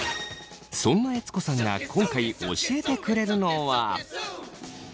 そんな悦子さんが今回教えてくれるのは。